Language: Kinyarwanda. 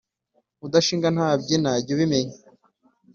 Udashinga ntabyina jy’ubimenya